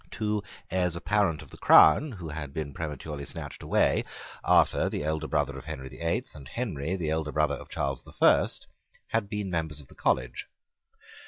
Two heirs apparent of the crown who had been prematurely snatched away, Arthur the elder brother of Henry the Eighth, and Henry the elder brother of Charles the First, had been members of the college.